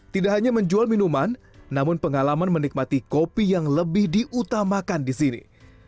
tidak hanya menjual minuman namun pengalaman menikmati kopi yang lebih diutamakan di sini